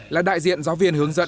là đại diện giáo viên hướng dẫn